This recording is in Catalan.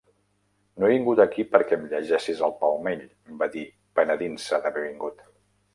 "No he vingut aquí perquè em llegeixis el palmell" va dir penedint-se d'haver vingut.